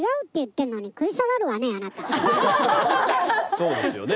そうですよね。